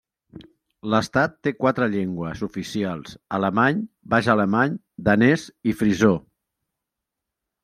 L'estat té quatre llengües oficials: alemany, baix alemany, danès i frisó.